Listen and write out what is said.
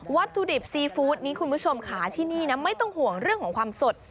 วัตถุดิบซีฟู้ดนี้คุณผู้ชมค่ะที่นี่นะไม่ต้องห่วงเรื่องของความสด